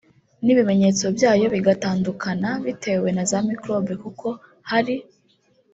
n’ibimenyeto byayo bigatandukana bitewe na za microbe kuko hari